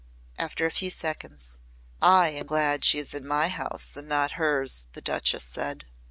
'" After a few seconds "I am glad she is in my house and not in hers," the Duchess said.